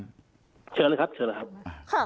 เชิญเลยครับเชิญเลยครับ